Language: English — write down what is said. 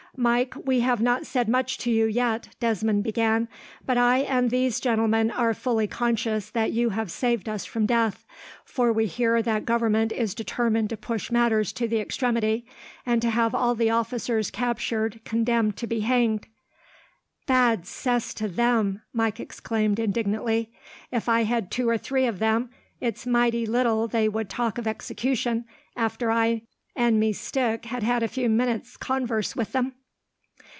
"Mike, we have not said much to you, yet," Desmond began, "but I and these gentlemen are fully conscious that you have saved us from death, for we hear that Government is determined to push matters to the extremity, and to have all the officers captured condemned to be hanged." "Bad cess to them!" Mike exclaimed, indignantly. "If I had two or three of them, it's mighty little they would talk of execution, after I and me stick had had a few minutes' converse with them.